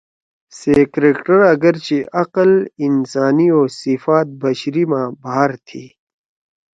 سے کریکٹر آگرچہ عقل انسانی او صفات بشری ما بھار تھی۔